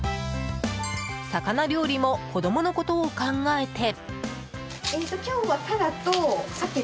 魚料理も子供のことを考えて。